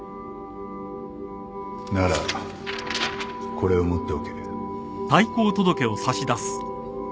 ならこれを持っておけ。